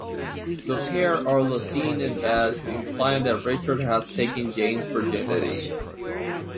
The pair are then seen in bed, implying that Richard has taken Jane's virginity.